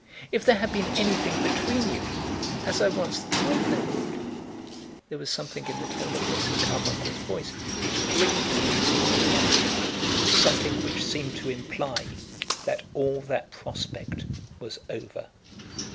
If there had been anything between you, as I once thought there would " There was something in the tone of Mrs. Carbuncle's voice which grated on Lizzie's ear, something which seemed to imply that all that prospect was over.